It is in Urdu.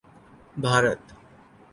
بھارت